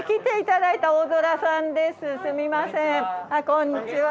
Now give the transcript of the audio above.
こんにちは。